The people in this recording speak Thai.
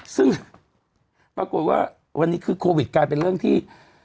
ซึ่งปรากฏว่าวันนี้คือโควิดกลายเป็นเรื่องที่